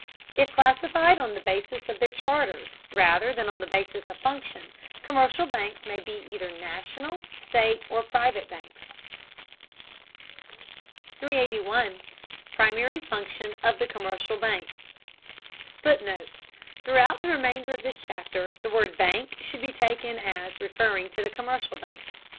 If classified on the basis of their charters, rather than on the basis of function, commercial banks may be either National, State, or private banks. 381. PRIMARY FUNCTION OF THE COMMERCIAL BANK. [Footnote: Throughout the remainder of this chapter the word "bank" should be taken as referring to the commercial bank.